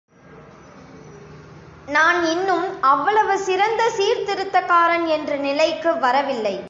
நான் இன்னும் அவ்வளவு சிறந்த சீர்திருத்தக்காரன் என்ற நிலைக்கு வரவில்லை.